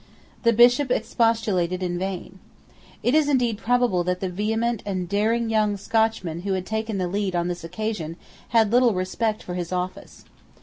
The bishop expostulated in vain. It is indeed probable that the vehement and daring young Scotchmen who had taken the lead on this occasion had little respect for his office.